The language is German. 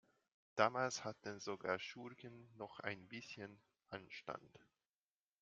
Damals hatten sogar Schurken noch ein bisschen Anstand.